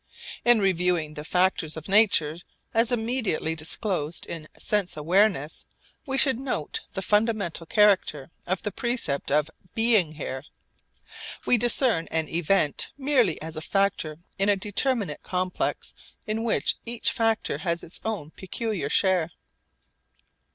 In reviewing the factors of nature as immediately disclosed in sense awareness, we should note the fundamental character of the percept of 'being here.' We discern an event merely as a factor in a determinate complex in which each factor has its own peculiar share.